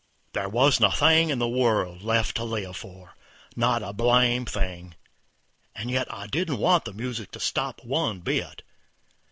There wasn't a thing in the world left to live for, not a blame thing, and yet I didn't want the music to stop one bit.